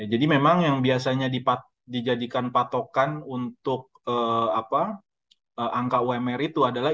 jadi memang yang biasanya dijadikan patokan untuk angka umr itu adalah